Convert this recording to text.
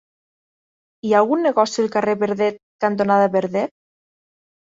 Hi ha algun negoci al carrer Verdet cantonada Verdet?